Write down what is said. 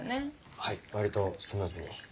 はい割とスムーズに。